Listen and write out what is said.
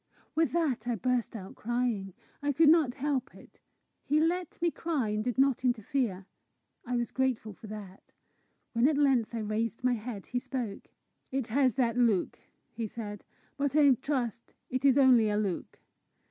With that I burst out crying. I could not help it. He let me cry, and did not interfere. I was grateful for that. When at length I raised my head, he spoke. "It has that look," he said; "but I trust it is only a look.